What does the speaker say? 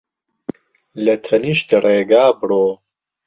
لە تەنیشت ڕێگا بڕۆ